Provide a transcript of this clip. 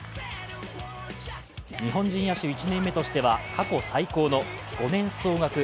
日本人野手１年目としては過去最高の５年総額